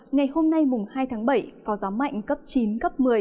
ngày hôm nay mùng hai tháng bảy có gió mạnh cấp chín cấp một mươi